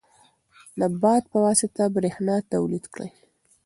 د باد په واسطه برېښنا تولید کړئ.